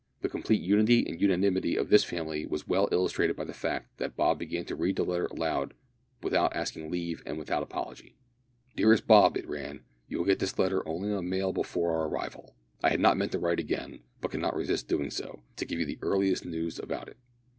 The complete unity and unanimity of this family was well illustrated by the fact, that Bob began to read the letter aloud without asking leave and without apology. "Dearest Bob," it ran, "you will get this letter only a mail before our arrival. I had not meant to write again, but cannot resist doing so, to give you the earliest news about it.